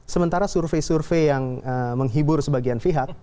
sementara survei survei yang menghibur sebagian pihak